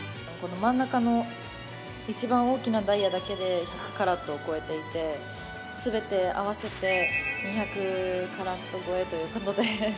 真ん中の一番大きなダイヤだけで１００カラットを超えていて全て合わせて２００カラット超えということで。